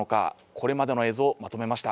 これまでの映像をまとめました。